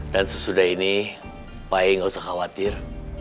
dan sesudah ini pak kiayi gak usah khawatir